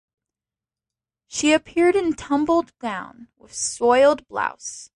She appeared in tumbled gown, with soiled blouse.